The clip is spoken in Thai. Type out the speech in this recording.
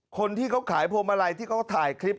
คนที่เขาขายพวงมาลัยที่เขาถ่ายคลิป